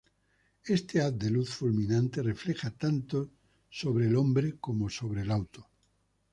Este haz de luz fulminante refleja tanto sobre el hombre como sobre el auto.